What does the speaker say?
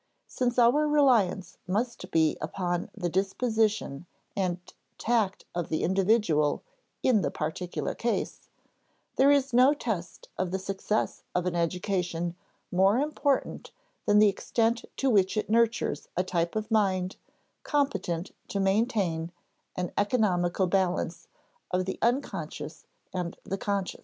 Since our reliance must be upon the disposition and tact of the individual in the particular case, there is no test of the success of an education more important than the extent to which it nurtures a type of mind competent to maintain an economical balance of the unconscious and the conscious.